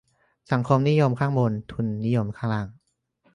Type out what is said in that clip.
"สังคมนิยมข้างบน ทุนนิยมข้างล่าง"